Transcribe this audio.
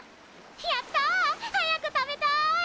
やった！早く食べたい！